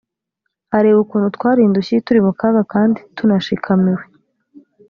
areba ukuntu twari indushyi, turi mu kaga, kandi tunashikamiwe.